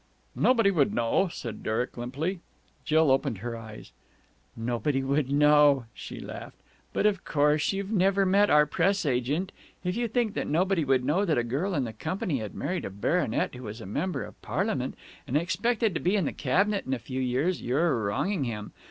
"Nobody would know," said Derek limply. Jill opened her eyes. "Nobody would know!" She laughed. "But, of course, you've never met our Press agent. If you think that nobody would know that a girl in the company had married a baronet who was a member of parliament and expected to be in the Cabinet in a few years, you're wronging him!